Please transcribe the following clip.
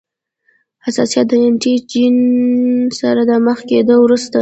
حساسیت د انټي جېن سره د مخ کیدو وروسته.